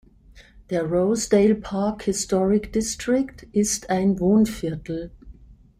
Der Rosedale Park Historic District ist ein Wohnviertel.